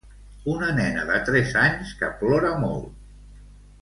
Una nena de tres anys que plora molt.